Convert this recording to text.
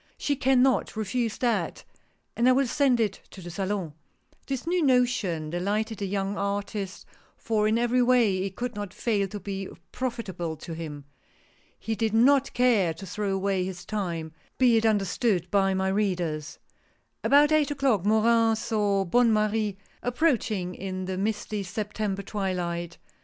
" She can not refuse that, and I will send it to the Salon." This new notion delighted the young artist, for in every way it could not fail to be profitable to him. He did not care to throw away his time, be it under stood, by my readers. About eight o'clock Morin saw Bonne Marie ap proaching in the misty September twilight.